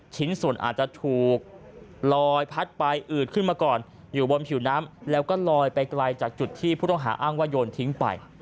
ชิ้นส่วนอาจจะถูกลอยพัดไปอืดขึ้นมาก่อนอยู่บนผิวน้ำแล้วก็ลอยไปไกลจากจุดที่ผู้ต้องหาอ้างว่าโยนทิ้งไป